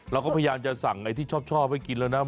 เราก็พยายามจะสั่งไอ้ที่ชอบให้กินแล้วนะ